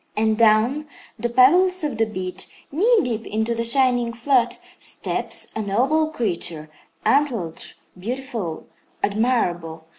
And down the pebbles of the beach, knee deep into the shining flood, steps a noble creature, antlered, beautiful, admirable.